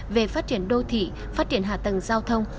về phát triển đô thị phát triển hạ tầng giao thông